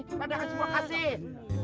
ini padahal semua kasih